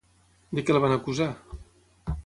De què el van acusar?